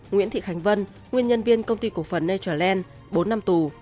nguyễn thị khánh vân nguyên nhân viên công ty cổ phần natureland bốn năm tù